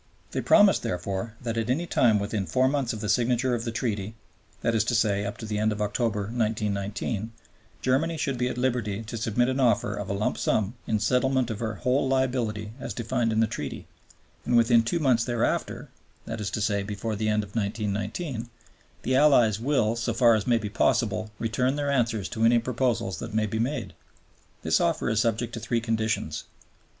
They promised, therefore, that at any time within four months of the signature of the Treaty (that is to say, up to the end of October, 1919), Germany should be at liberty to submit an offer of a lump sum in settlement of her whole liability as defined in the Treaty, and within two months thereafter (that is to say, before the end of 1919) the Allies "will, so far as may be possible, return their answers to any proposals that may be made." This offer is subject to three conditions.